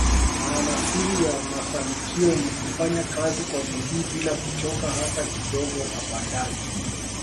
Maana Siri ya mafanikio Ni kufanya Kazi kwa bidii bila kuchoka hata kidogo abadani